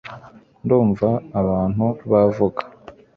ndumva abantu bavuga